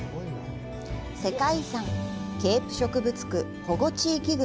世界遺産ケープ植物区保護地域群。